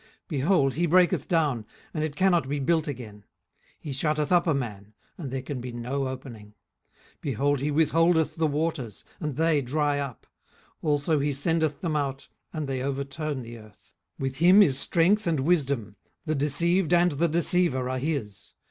18:012:014 Behold, he breaketh down, and it cannot be built again: he shutteth up a man, and there can be no opening. 18:012:015 Behold, he withholdeth the waters, and they dry up: also he sendeth them out, and they overturn the earth. 18:012:016 With him is strength and wisdom: the deceived and the deceiver are his.